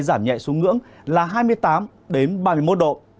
giảm nhẹ xuống ngưỡng là hai mươi tám ba mươi một độ